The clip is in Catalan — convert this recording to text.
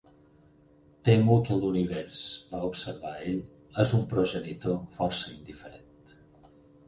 "Temo que l'univers", va observar ell, "és un progenitor força indiferent".